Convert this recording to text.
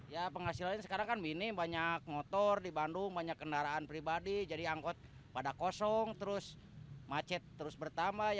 ya penghasilannya sekarang kan minim banyak motor di bandung banyak kendaraan pribadi jadi angkot pada kosong terus macet terus bertambah